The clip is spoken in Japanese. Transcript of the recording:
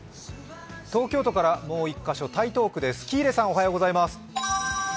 東京都からもう１カ所、台東区です。